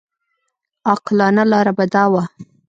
عاقلانه لاره به دا وه.